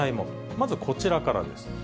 まずこちらからです。